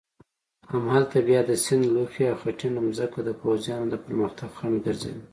همالته بیا د سیند لوخې او خټینه مځکه د پوځیانو د پرمختګ خنډ ګرځېده.